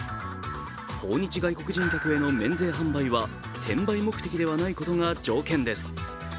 訪日外国人客への免税販売は転売目的ではないことが条件です。